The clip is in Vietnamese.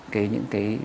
cái những cái